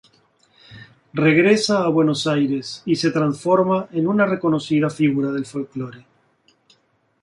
Regresa a Buenos Aires, y se transforma en una reconocida figura del folklore.